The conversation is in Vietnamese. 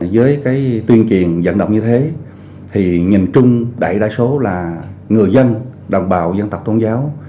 với tuyên truyền vận động như thế nhìn chung đại đa số là người dân đồng bào dân tộc tôn giáo